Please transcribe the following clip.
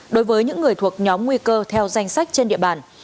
đối với những người thuộc nhóm nguy cơ theo danh sách trên địa bàn